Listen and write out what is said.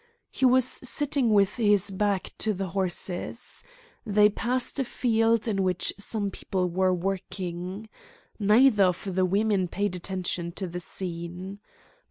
He was sitting with his back to the horses. They passed a field in which some people were working. Neither of the women paid attention to the scene.